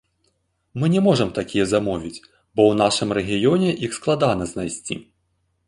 Мы не можам такія замовіць, бо ў нашым рэгіёне іх складана знайсці.